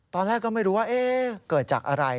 ตอนแรกก็ไม่รู้ว่าเกิดจากอะไร